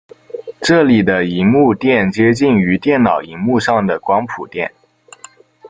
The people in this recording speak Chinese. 这里的萤幕靛接近于电脑萤幕上的光谱靛。